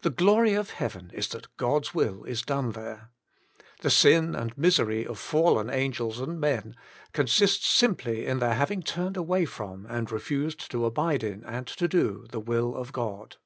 The glory of heaven is that God's will is done there. The sig,,^^. misery of fallen angels and men, consists simply in their having turned away from, and refused to abide in, and to do, the will of God.